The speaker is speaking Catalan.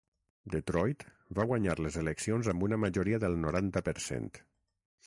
Detroit va guanyar les eleccions amb una majoria del noranta per cent.